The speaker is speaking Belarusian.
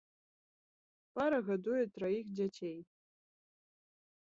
Пара гадуе траіх дзяцей.